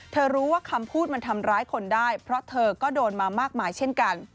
รู้ว่าคำพูดมันทำร้ายคนได้เพราะเธอก็โดนมามากมายเช่นกัน